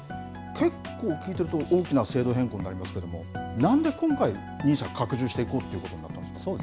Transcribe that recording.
結構聞いてると大きな制度変更になると思いますけれども、なんで今回、ＮＩＳＡ拡充していこうということになったんですか。